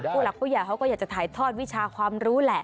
ผู้หลักผู้ใหญ่เขาก็อยากจะถ่ายทอดวิชาความรู้แหละ